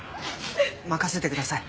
任せてください。